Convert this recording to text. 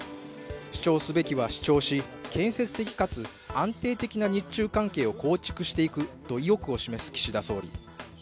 主張すべきは主張し、建設的かつ安定的な日中関係を構築していくと意欲を示す岸田総理。